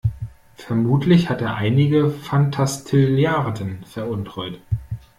Vermutlich hat er einige Fantastilliarden veruntreut.